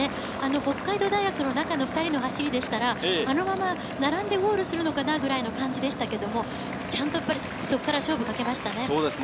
北海道大学の中の２人の走りでしたら、あのまま並んでゴールするのかなぐらいでしたけど、ちゃんとそこから勝負をかけましたね。